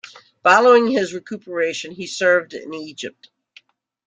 Following his recuperation he served in Egypt.